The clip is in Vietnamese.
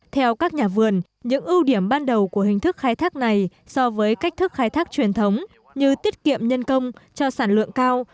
theo các nhà vườn những ưu điểm ban đầu của hình thức khai thác này so với cách thức khai thác truyền thống như tiết kiệm nhân công cho sản lượng cao